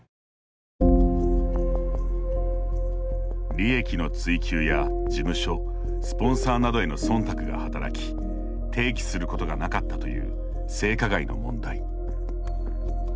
利益の追求や事務所スポンサーなどへのそんたくが働き提起することがなかったという性加害の問題。